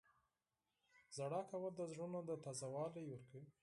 • ژړا کول د زړونو ته تازه والی ورکوي.